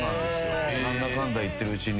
何だかんだいってるうちに。